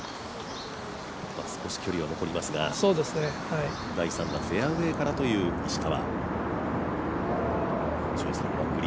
少し距離は残りますが第３打フェアウエーからという石川。